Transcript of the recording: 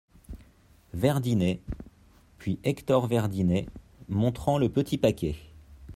Verdinet ; puis Hector Verdinet , montrant le petit paquet.